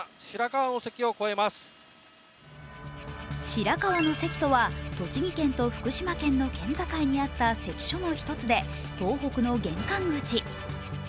白河の関とは栃木県と福島県の県境にあった関所の一つで東北の玄関口。